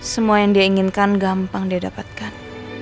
semua yang dia inginkan gampang dia dapatkan